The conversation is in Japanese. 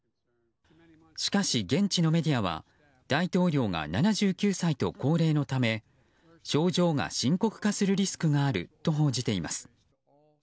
しかし現地のメディアは大統領が７９歳と高齢のため症状が深刻化するリスクがあると報じています。